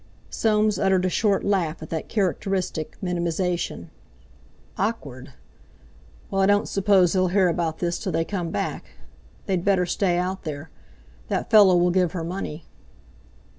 Soames uttered a short laugh at that characteristic minimisation. "Awkward! Well, I don't suppose they'll hear about this till they come back. They'd better stay out there. That fellow will give her money."